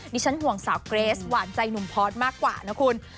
ฉันห่วงสาวเกรสหวานใจหนุ่มพอร์ตมากกว่านะคุณ